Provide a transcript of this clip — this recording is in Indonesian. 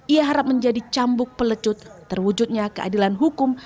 ia harap menjadi cambuk pelecut terwujudnya keadilan hukum